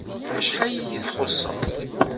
Acḥal iyi-txuṣṣeḍ!